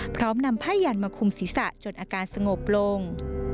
พร้อมนำผ้ายันมาคุมศีรษะจนอาการสงบลง